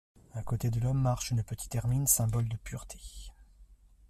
À côté de l'homme marche une petite hermine, symbole de pureté.